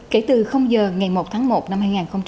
kể từ giờ ngày một tháng một năm hai nghìn một mươi sáu